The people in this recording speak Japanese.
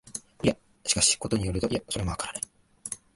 いや、しかし、ことに依ると、いや、それもわからない、